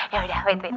yaudah wait wait